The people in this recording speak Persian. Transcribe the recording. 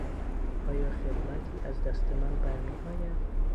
آیا خدمتی از دست من برمیآید؟